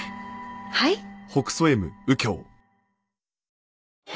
はい？